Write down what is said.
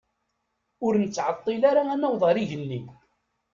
Ur nettɛeṭṭil ara ad naweḍ ar igenni.